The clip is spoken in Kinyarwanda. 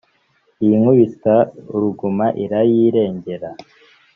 Iy’Inkubitaruguma irayirengera :